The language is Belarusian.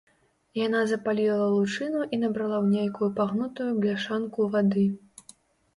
Яна запаліла лучыну і набрала ў нейкую пагнутую бляшанку вады.